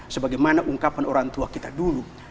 menggunaan orang tua kita dulu